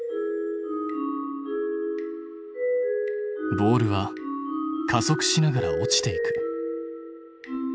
ボールは加速しながら落ちていく。